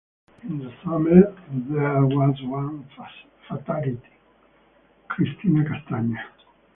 In the summer there was one fatality, Cristina Castagna.